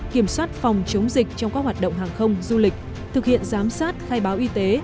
kiểm soát phòng chống dịch trong các hoạt động hàng không du lịch thực hiện giám sát khai báo y tế